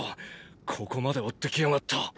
ここまで追ってきやがった。